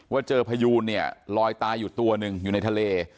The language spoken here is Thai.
ว่าเจอพยูนเนี่ยลอยตายอยู่ตัวหนึ่งอยู่ในทะเล